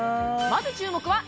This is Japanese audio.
まず注目は